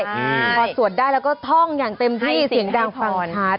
พอสวดได้แล้วก็ท่องอย่างเต็มที่เสียงดังฟังชัด